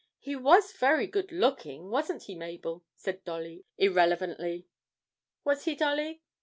'He was very good looking, wasn't he, Mabel?' said Dolly, irrelevantly. 'Was he, Dolly?